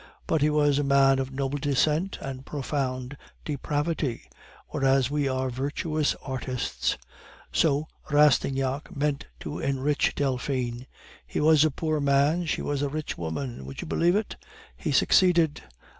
But he was a man of noble descent and profound depravity, whereas we are virtuous artists. So Rastignac meant to enrich Delphine; he was a poor man, she a rich woman. Would you believe it? he succeeded.